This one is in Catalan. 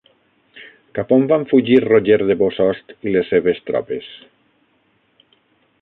Cap on van fugir Roger de Bossost i les seves tropes?